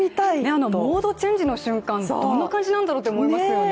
あのモードチェンジの瞬間、どんな感じなんだろうと思いますよね。